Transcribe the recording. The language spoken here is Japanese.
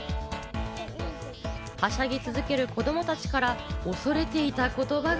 はしゃぎ続ける子供たちから恐れていた言葉が。